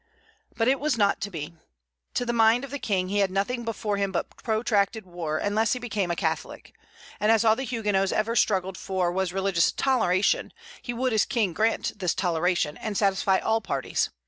But it was not to be. To the mind of the King he had nothing before him but protracted war, unless he became a Catholic; and as all the Huguenots ever struggled for was religious toleration, he would, as king, grant this toleration, and satisfy all parties.